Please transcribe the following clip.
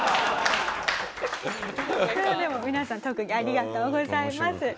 でも皆さん特技ありがとうございます。